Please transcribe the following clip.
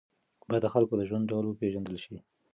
باید د خلکو د ژوند ډول وپېژندل شي.